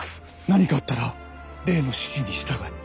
何かあったら麗の指示に従え。